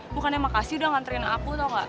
bukannya makasih udah nganterin aku tau gak